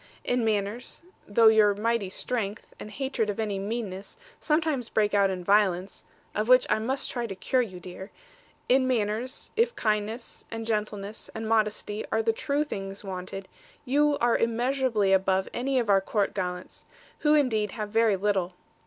In manners, though your mighty strength, and hatred of any meanness, sometimes break out in violence of which I must try to cure you, dear in manners, if kindness, and gentleness, and modesty are the true things wanted, you are immeasurably above any of our Court gallants; who indeed have very little.